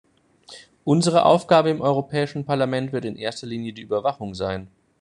Unsere Aufgabe im Europäischen Parlament wird in erster Linie die Überwachung sein.